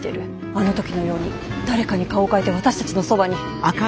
あの時のように誰かに顔を変えて私たちのそばに。